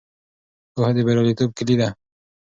پوهه د بریالیتوب کیلي ده.